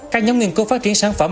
các nhóm nghiên cứu phát triển sản phẩm